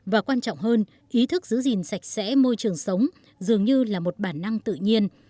và quan trọng hơn ý thức giữ gìn sạch sẽ môi trường sống dường như là một bản năng tự nhiên